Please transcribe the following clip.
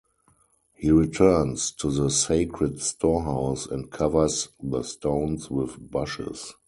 He returns to the sacred storehouse and covers the stones with bushes.